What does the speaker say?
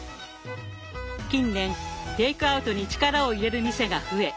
近年テイクアウトに力を入れる店が増え